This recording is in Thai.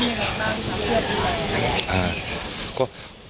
ห่วงท่านอย่างไรบ้างครับ